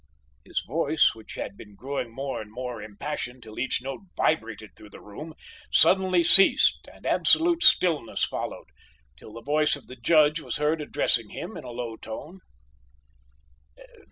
His voice, which had been growing more and more impassioned till each note vibrated through the room, suddenly ceased and absolute stillness followed, till the voice of the Judge was heard addressing him in a low tone.